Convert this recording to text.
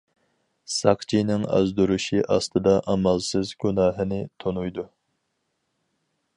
ساقچىنىڭ ئازدۇرۇشى ئاستىدا، ئامالسىز« گۇناھىنى» تونۇيدۇ.